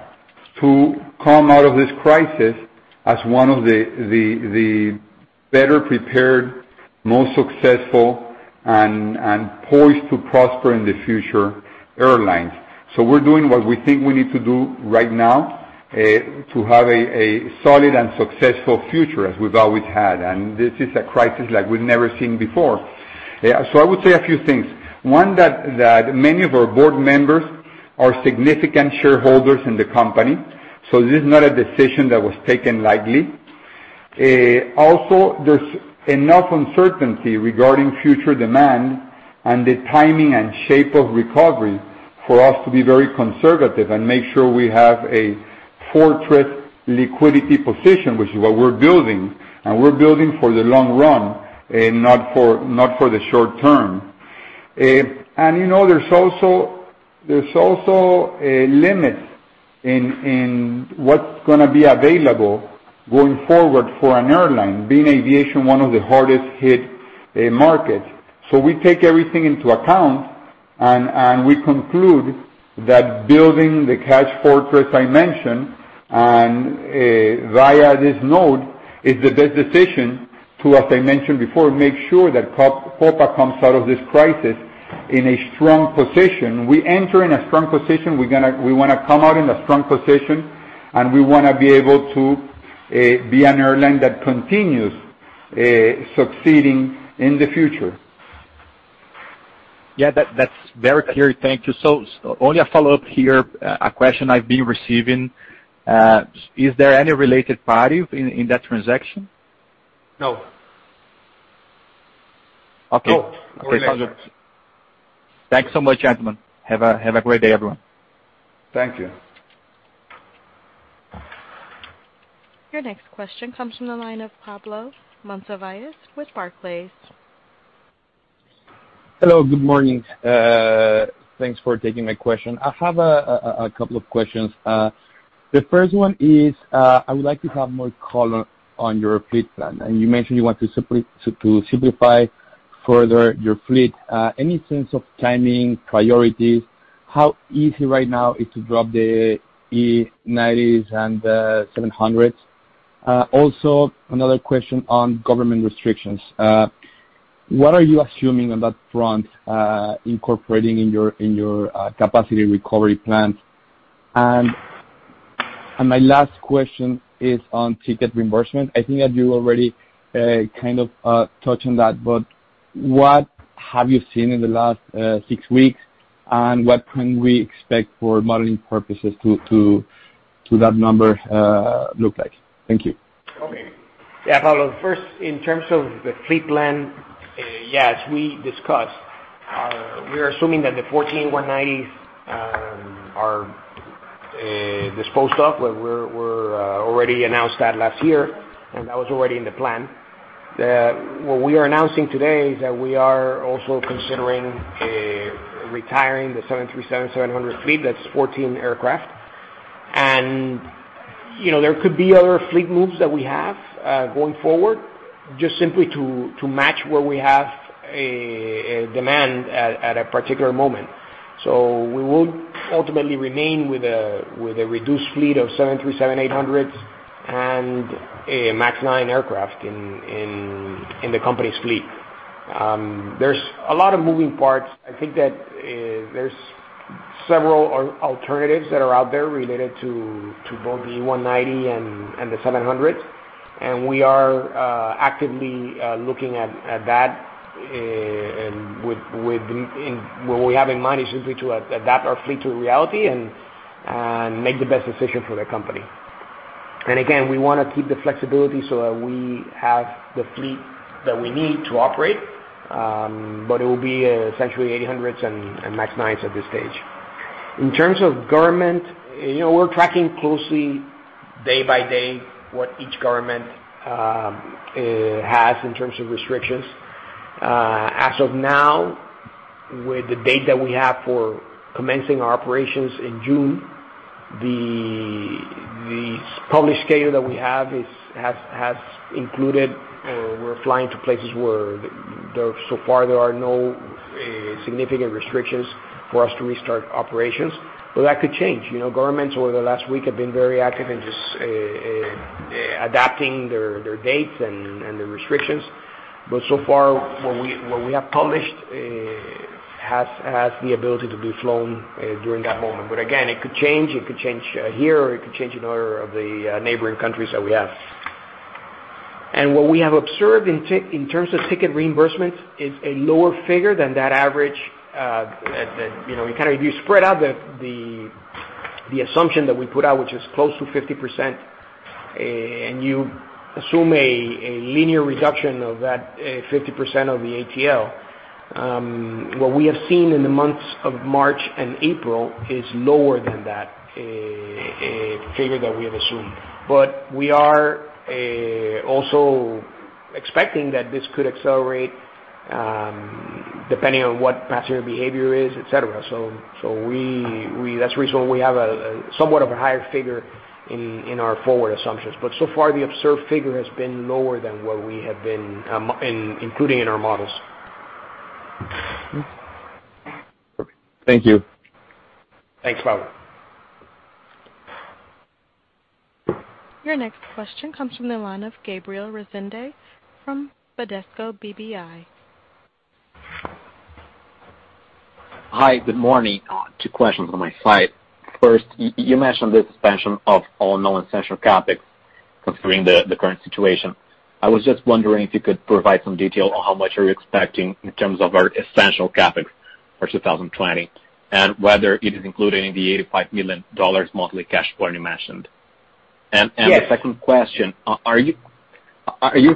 to come out of this crisis as one of the better prepared, most successful, and poised-to-prosper-in-the-future airlines. We're doing what we think we need to do right now, to have a solid and successful future as we've always had. This is a crisis like we've never seen before. I would say a few things. One, that many of our board members are significant shareholders in the company, so this is not a decision that was taken lightly. Also, there's enough uncertainty regarding future demand and the timing and shape of recovery for us to be very conservative and make sure we have a fortress liquidity position, which is what we're building. We're building for the long run, not for the short term. There's also a limit in what's going to be available going forward for an airline, being aviation one of the hardest hit markets. We take everything into account, and we conclude that building the cash fortress I mentioned, and via this note, is the best decision to, as I mentioned before, make sure that Copa comes out of this crisis in a strong position. We enter in a strong position. We want to come out in a strong position, and we want to be able to be an airline that continues succeeding in the future. Yeah, that's very clear. Thank you. Only a follow-up here. A question I've been receiving. Is there any related parties in that transaction? No. Okay. No. Okay. Sounds good. Thanks so much, gentlemen. Have a great day, everyone. Thank you. Your next question comes from the line of Pablo Monsivais with Barclays. Hello, good morning. Thanks for taking my question. I have a couple of questions. The first one is, I would like to have more color on your fleet plan. You mentioned you want to simplify further your fleet. Any sense of timing, priorities, how easy right now is to drop the E190s and the Boeing 737-700s? Another question on government restrictions. What are you assuming on that front, incorporating in your capacity recovery plan? My last question is on ticket reimbursement. I think that you already kind of touched on that, but what have you seen in the last six weeks, and what can we expect for modeling purposes to that number look like? Thank you. Okay. Yeah, Pablo, first, in terms of the fleet plan. Yeah, as we discussed, we are assuming that the 14 E190s are disposed of. We already announced that last year. That was already in the plan. What we are announcing today is that we are also considering retiring the Boeing 737-700 fleet. That's 14 aircraft. There could be other fleet moves that we have going forward, just simply to match where we have demand at a particular moment. We would ultimately remain with a reduced fleet of Boeing 737-800s and MAX 9 aircraft in the company's fleet. There's a lot of moving parts. I think that there's several alternatives that are out there related to both the E190 and the 737-700. We are actively looking at that, and what we have in mind is simply to adapt our fleet to reality and make the best decision for the company. Again, we want to keep the flexibility so that we have the fleet that we need to operate, it will be essentially 737-800s and MAX 9s at this stage. In terms of government, we're tracking closely day by day what each government has in terms of restrictions. As of now, with the date that we have for commencing our operations in June, the published schedule that we have has included, we're flying to places where so far there are no significant restrictions for us to restart operations. That could change. Governments over the last week have been very active in just adapting their dates and their restrictions. So far what we have published has the ability to be flown during that moment. Again, it could change. It could change here or it could change in other of the neighboring countries that we have. What we have observed in terms of ticket reimbursements is a lower figure than that average. If you spread out the assumption that we put out, which is close to 50%, and you assume a linear reduction of that 50% of the ATL, what we have seen in the months of March and April is lower than that figure that we have assumed. We are also expecting that this could accelerate, depending on what passenger behavior is, et cetera. That's the reason why we have somewhat of a higher figure in our forward assumptions. So far, the observed figure has been lower than what we have been including in our models. Okay. Thank you. Thanks, Pablo. Your next question comes from the line of Gabriel Rezende from Bradesco BBI. Hi, good morning. Two questions on my side. First, you mentioned the suspension of all non-essential CapEx considering the current situation. I was just wondering if you could provide some detail on how much are you expecting in terms of our essential CapEx for 2020, and whether it is included in the $85 million monthly cash burn you mentioned. Yes. The second question, are you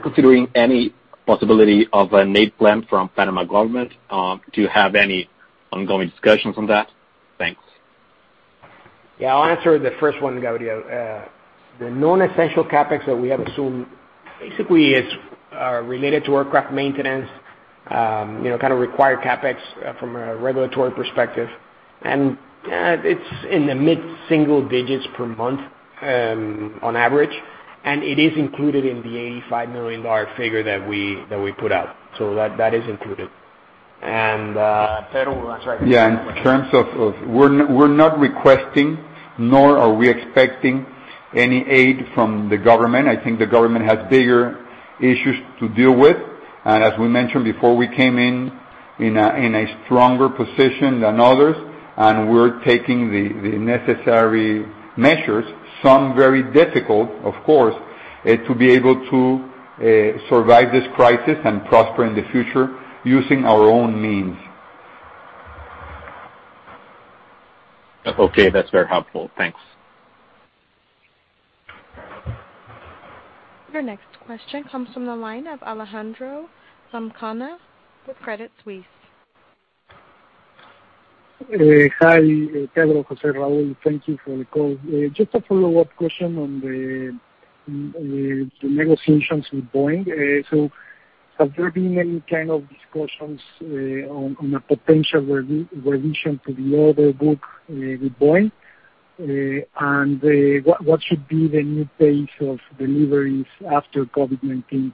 considering any possibility of an aid plan from Panama government? Do you have any ongoing discussions on that? Thanks. Yeah. I'll answer the first one, Gabriel. The non-essential CapEx that we have assumed basically is related to aircraft maintenance, kind of required CapEx from a regulatory perspective. It's in the mid-single digits per month on average, and it is included in the $85 million figure that we put out. That is included. Pedro, that's right. Yeah. In terms of, we're not requesting, nor are we expecting any aid from the government. I think the government has bigger issues to deal with. As we mentioned before, we came in in a stronger position than others, and we're taking the necessary measures, some very difficult, of course, to be able to survive this crisis and prosper in the future using our own means. Okay. That's very helpful. Thanks. Your next question comes from the line of Alejandro Zamacona with Credit Suisse. Hi, Pedro, José, Raul. Thank you for the call. Just a follow-up question on the negotiations with Boeing. Have there been any kind of discussions on a potential revision to the order book with Boeing? What should be the new pace of deliveries after COVID-19?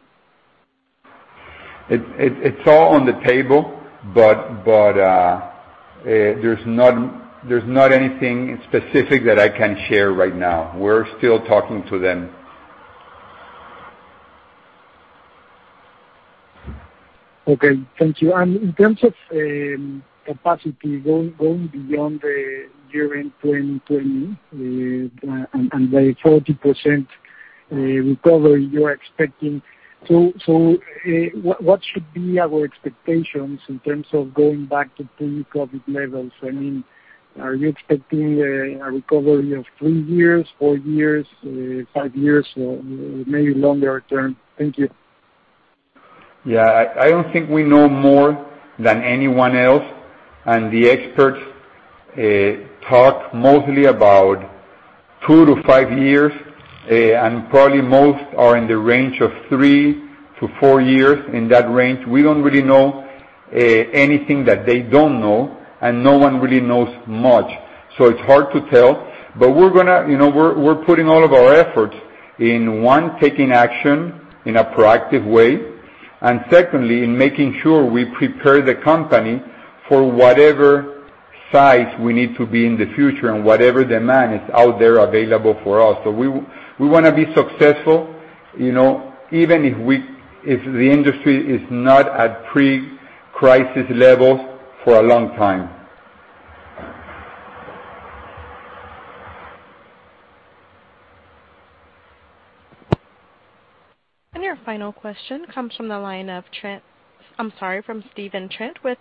It's all on the table, but there's not anything specific that I can share right now. We're still talking to them. Okay. Thank you. In terms of capacity going beyond the year-end 2020, and the 40% recovery you're expecting, what should be our expectations in terms of going back to pre-COVID levels? Are you expecting a recovery of three years, four years, five years, or maybe longer term? Thank you. Yeah. I don't think we know more than anyone else. The experts talk mostly about two to five years, probably most are in the range of three to four years, in that range. We don't really know anything that they don't know. No one really knows much. It's hard to tell. We're putting all of our efforts in, one, taking action in a proactive way, secondly, in making sure we prepare the company for whatever size we need to be in the future and whatever demand is out there available for us. We want to be successful, even if the industry is not at pre-crisis levels for a long time. Your final question comes from the line of Stephen Trent with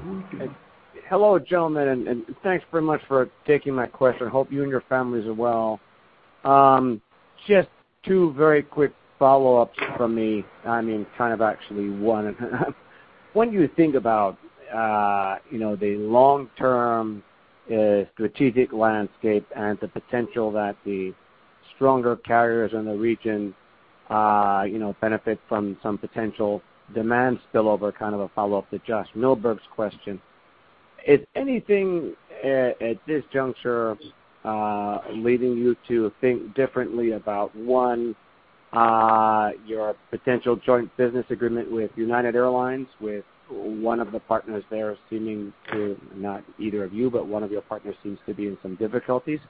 Citi. Hello, gentlemen. Thanks very much for taking my question. Hope you and your families are well. Just two very quick follow-ups from me. I mean, kind of actually one. When you think about the long-term strategic landscape and the potential that the stronger carriers in the region benefit from some potential demand spillover, kind of a follow-up to Josh Milberg's question. Is anything at this juncture leading you to think differently about, one, your potential joint business agreement with United Airlines, with one of the partners there seeming to, not either of you, but one of your partners seems to be in some difficulties.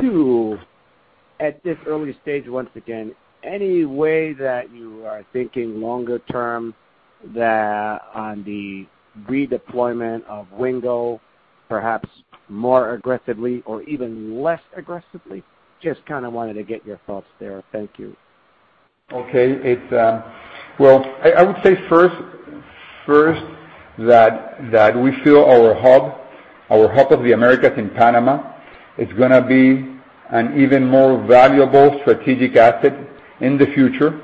Two, at this early stage, once again, any way that you are thinking longer term on the redeployment of Wingo, perhaps more aggressively or even less aggressively? Just kind of wanted to get your thoughts there. Thank you. I would say first that we feel our Hub of the Americas in Panama is going to be an even more valuable strategic asset in the future.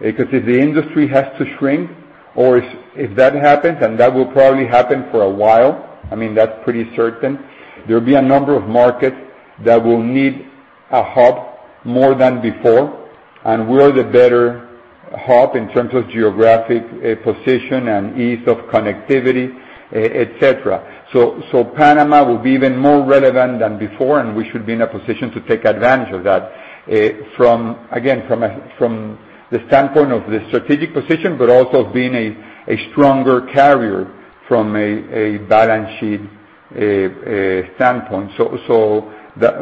If the industry has to shrink, or if that happens, and that will probably happen for a while, I mean, that's pretty certain, there'll be a number of markets that will need a hub more than before, and we're the better hub in terms of geographic position and ease of connectivity, et cetera. Panama will be even more relevant than before, and we should be in a position to take advantage of that, again, from the standpoint of the strategic position, but also being a stronger carrier from a balance sheet standpoint.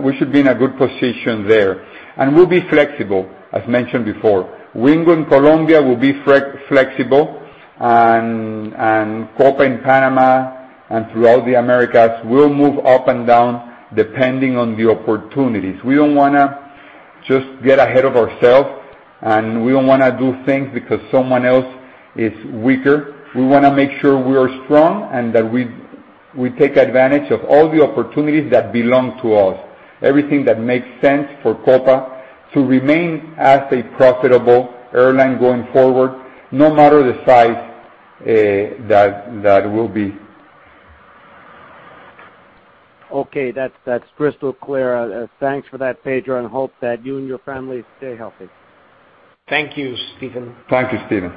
We should be in a good position there. We'll be flexible, as mentioned before. Wingo in Colombia will be flexible, and Copa in Panama and throughout the Americas will move up and down depending on the opportunities. We don't want to just get ahead of ourselves, and we don't want to do things because someone else is weaker. We want to make sure we are strong and that we take advantage of all the opportunities that belong to us. Everything that makes sense for Copa to remain as a profitable airline going forward, no matter the size that it will be. Okay. That's crystal clear. Thanks for that, Pedro, and hope that you and your family stay healthy. Thank you, Stephen. Thank you, Stephen.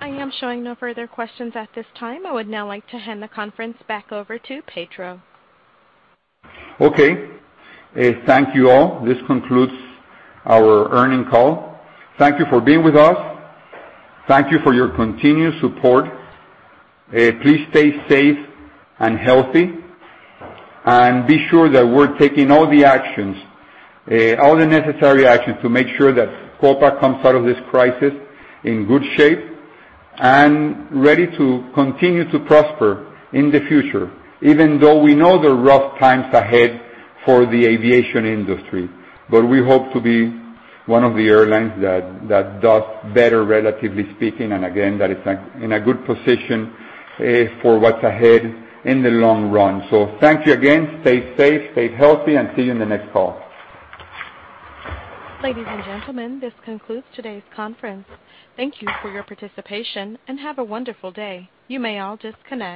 I am showing no further questions at this time. I would now like to hand the conference back over to Pedro. Okay. Thank you all. This concludes our earnings call. Thank you for being with us. Thank you for your continued support. Please stay safe and healthy, and be sure that we're taking all the necessary actions to make sure that Copa comes out of this crisis in good shape and ready to continue to prosper in the future, even though we know there are rough times ahead for the aviation industry. We hope to be one of the airlines that does better, relatively speaking, and again, that is in a good position for what's ahead in the long run. Thank you again. Stay safe, stay healthy, and see you in the next call. Ladies and gentlemen, this concludes today's conference. Thank you for your participation, and have a wonderful day. You may all disconnect.